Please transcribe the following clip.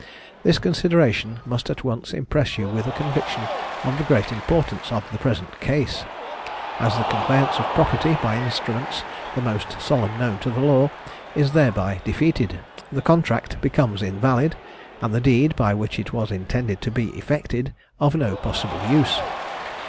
This consideration must at once impress you with a conviction of the great importance of the present case; as the conveyance of property by instruments the most solemn known to the law, is thereby defeated, the contract becomes invalid, and the deed by which it was intended to be effected, of no possible use.